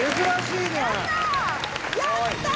やったー！